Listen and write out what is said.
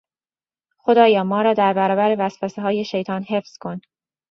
خدایا ما را در برابر وسوسههای شیطان حفظ کن!